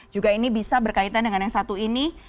juga ini bisa berkaitan dengan yang satu ini